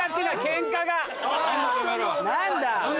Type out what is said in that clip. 何だ？